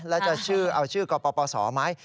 แล้วจะเอาชื่อกปสไหม